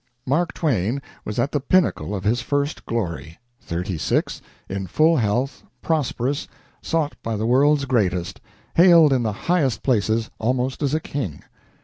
Mark Twain was at the pinnacle of his first glory: thirty six, in full health, prosperous, sought by the world's greatest, hailed in the highest places almost as a king.